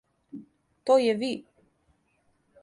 То је ви?